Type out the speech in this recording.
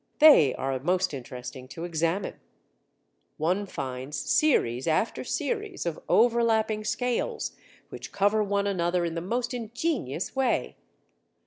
They are most interesting to examine: one finds series after series of overlapping scales which cover one another in the most ingenious way.